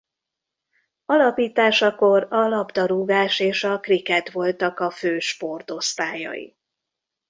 Alapításakor a labdarúgás és a krikett voltak a fő sport osztályai.